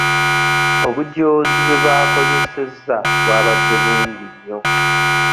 Obujoozi bwe baakozesezza bwabadde bungi nnyo.